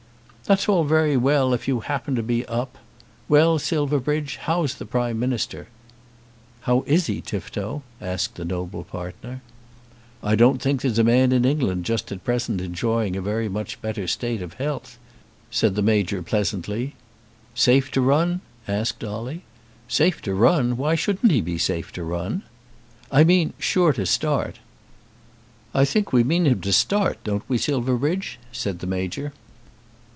"That's all very well if you happen to be up. Well, Silverbridge, how's the Prime Minister?" "How is he, Tifto?" asked the noble partner. "I don't think there's a man in England just at present enjoying a very much better state of health," said the Major pleasantly. "Safe to run?" asked Dolly. "Safe to run! Why shouldn't he be safe to run?" "I mean sure to start." "I think we mean him to start, don't we, Silverbridge?" said the Major.